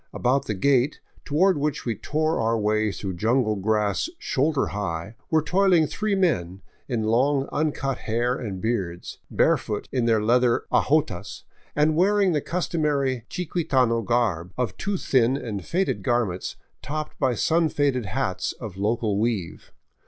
About the gate, toward which we tore our way through jungle grass shoulder high, were toiling three men in long uncut hair and beards, barefoot in their leather ajotas, and wearing the customary chiquitano garb of two thin and faded garments topped by sunfaded hats of local weave.